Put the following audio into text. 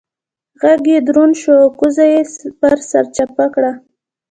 غږ يې دروند شو او کوزه يې پر سر چپه کړه.